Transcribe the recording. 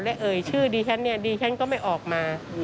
และเอ่ยชื่อดีฉันเนี่ยดีฉันก็ไม่ออกมา